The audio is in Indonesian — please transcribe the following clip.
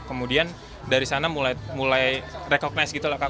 kemudian dari sana mulai recognize gitu loh kak